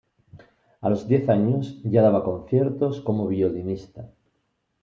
A los diez años ya daba conciertos como violinista.